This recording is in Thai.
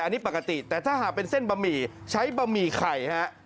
อันนี้ปกติแต่ถ้าหากเป็นเส้นบะหมี่ใช้บะหมี่ไข่ฮะ